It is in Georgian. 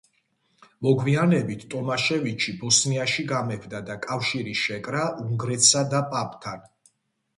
მოგვიანებით ტომაშევიჩი ბოსნიაში გამეფდა და კავშირი შეკრა უნგრეთსა და პაპთან.